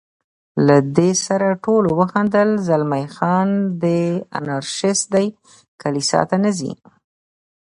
له دې سره ټولو وخندل، زلمی خان: دی انارشیست دی، کلیسا ته نه ځي.